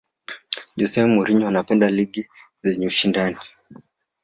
jose mourinho anapenda ligi zenye ushindani